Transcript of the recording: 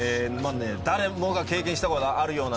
誰もが経験したことがあるような